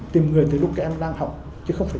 tìm người từ lúc các em đang học chứ không phải